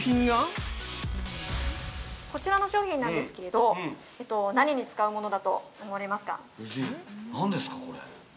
◆こちらの商品なんですけれど何に使うものだと思われますか。